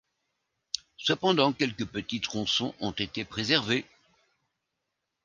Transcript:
Cependant, quelques petits tronçons ont été préservés.